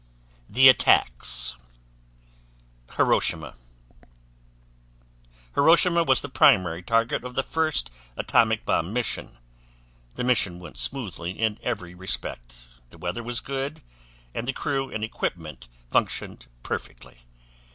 THE ATTACKS Hiroshima Hiroshima was the primary target of the first atomic bomb mission. The mission went smoothly in every respect. The weather was good, and the crew and equipment functioned perfectly.